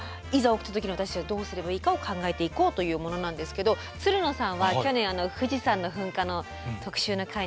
起きた時に私たちはどうすればいいかを考えていこうというものなんですけどつるのさんは去年「富士山の噴火」の特集の回にご出演頂きました。